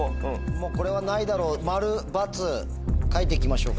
もうこれはないだろう○×書いていきましょうか。